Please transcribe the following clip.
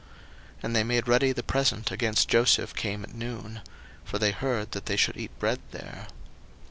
01:043:025 And they made ready the present against Joseph came at noon: for they heard that they should eat bread there.